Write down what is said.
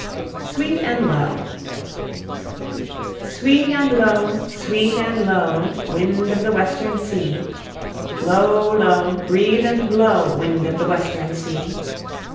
SWEET AND LOW. Sweet and low, sweet and low, Wind of the western sea, Low, low, breathe and blow, Wind of the western sea!